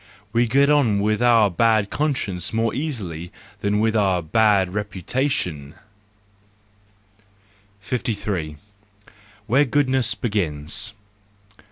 We get on with our bad conscience more easily than with our bad reputation, 88 THE JOYFUL WISDOM, I 53* Where Goodness Begins